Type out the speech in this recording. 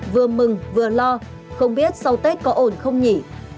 vừa mừng vừa lo không biết sau tết có ổn không nghỉ